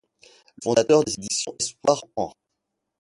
Le fondateur des Éditions Espoir enr.